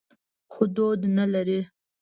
خو دود نه لري.